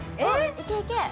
いけいけ！